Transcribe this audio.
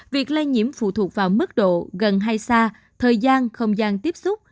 việc lây nhiễm phụ thuộc vào mức độ gần hay xa thời gian không gian tiếp xúc